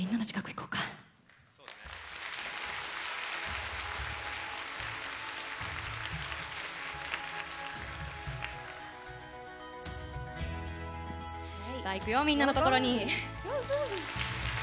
行くよ、みんなのところに。